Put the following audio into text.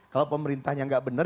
kalau pemerintahnya gak benar